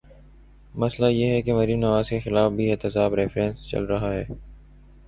مسئلہ یہ ہے کہ مریم نواز کے خلاف بھی احتساب ریفرنس چل رہا ہے۔